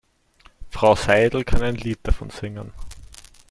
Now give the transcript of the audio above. Frau Seidel kann ein Lied davon singen.